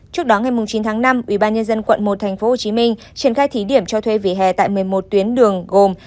trước đó ngày chín tháng năm ubnd quận một tp hcm triển khai thí điểm cho thuê vỉa hè tại một mươi một tuyến đường gồm